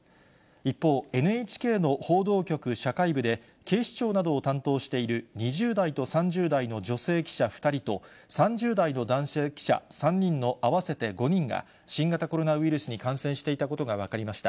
一方、ＮＨＫの報道局社会部で、警視庁などを担当している２０代と３０代の女性記者２人と、３０代の男性記者３人の合わせて５人が、新型コロナウイルスに感染していたことが分かりました。